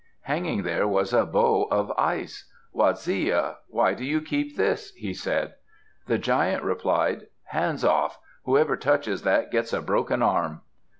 Hanging there was a bow of ice. "Waziya, why do you keep this?" he said. The giant replied, "Hands off; whoever touches that gets a broken arm."